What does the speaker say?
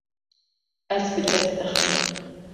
Ez bi dest dixim.